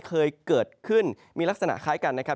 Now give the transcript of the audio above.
เคยเกิดขึ้นมีลักษณะคล้ายกันนะครับ